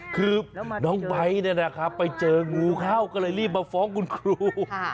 คือน้องไบท์เนี่ยนะครับไปเจองูเข้าก็เลยรีบมาฟ้องคุณครู